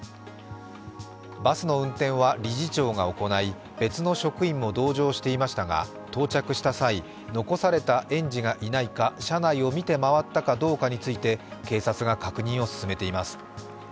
バスの運転は理事長が行い別の職員も同乗していましたが到着した際、残された園児がいないか、車内を見て回ったかどうかについて警察が確認を進めています。